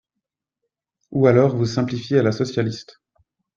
Ou alors, vous simplifiez à la socialiste